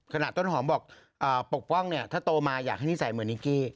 ต้นหอมบอกปกป้องเนี่ยถ้าโตมาอยากให้นิสัยเหมือนนิกกี้